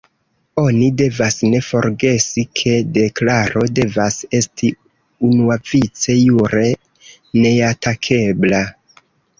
Oni devas ne forgesi, ke deklaro devas esti unuavice jure neatakebla.